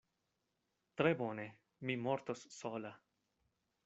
Tre bone: mi mortos sola.